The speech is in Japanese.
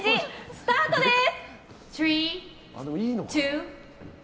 スタートです！